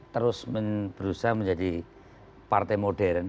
terus berusaha menjadi partai modern